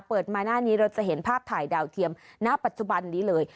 เปิดมาหน้านี้เราจะเห็นภาพถ่ายดาวเทียมณปัจจุบันนี้เลย